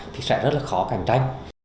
thì sẽ rất là khó cạnh tranh